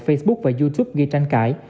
facebook và youtube ghi tranh cãi